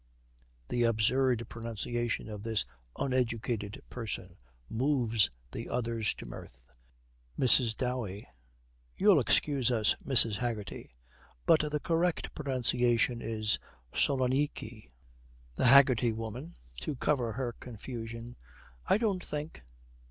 The absurd pronunciation of this uneducated person moves the others to mirth. MRS. DOWEY. 'You'll excuse us, Mrs. Haggerty, but the correct pronunciation is Salonikky.' THE HAGGERTY WOMAN, to cover her confusion. 'I don't think.'